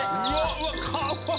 うわかわいい。